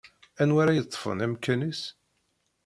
Anwa ara yeṭṭfen amkan-is?